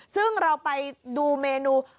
ซึ่งเราไปดูเมนู